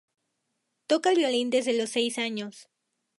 Toca el violín desde los seis años.